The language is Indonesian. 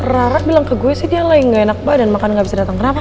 rarak bilang ke gue sih dia lain gak enak badan makan gak bisa datang kenapa